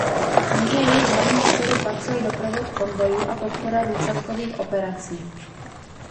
Mezi jejich hlavní úkoly patřil doprovod konvojů a podpora výsadkových operací.